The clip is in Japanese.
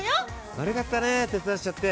悪かったね、手伝わせちゃって。